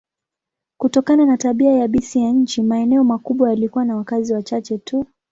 Kutokana na tabia yabisi ya nchi, maeneo makubwa yalikuwa na wakazi wachache tu.